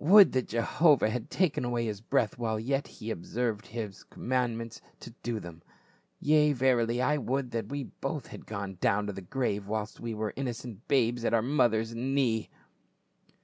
Would that Jehovah had taken away his breath while he yet observed His com mandments to do them. Yea, verily, I would that we both had gone down to the grave whilst we were innocent babes at our mother's knee